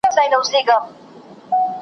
ما مي په تحفه کي وزرونه درته ایښي دي .